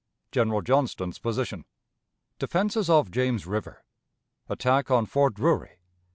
General Johnston's Position. Defenses of James River. Attack on Fort Drury.